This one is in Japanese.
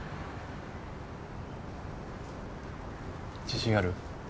自信ある？